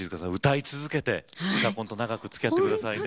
歌い続けて「うたコン」と長くつきあって下さいね。